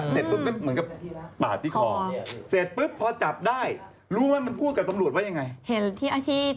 เสร็จปุ๊บเป็นเหมือนกับปากที่ขอ